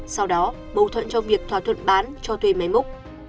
sau đó bầu thuẫn trong việc thỏa thuận bán cho thuê máy múc